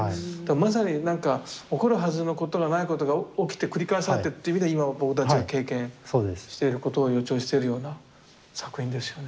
まさに何か起こるはずのないことが起きて繰り返されてっていう意味では今僕たちが経験していることを予兆してるような作品ですよね。